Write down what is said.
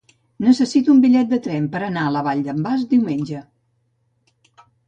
Necessito un bitllet de tren per anar a la Vall d'en Bas diumenge.